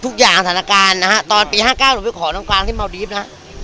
ทุกอย่างสถานการณ์นะฮะตอนปีห้าเก้าหนูไปขอน้องกลางที่เมาดีฟนะฮะ